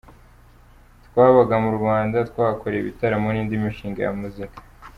Twabaga mu Rwanda, twahakoreye ibitaramo n’indi mishinga ya muzika.